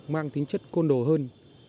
mang tính chất côn đồ hơn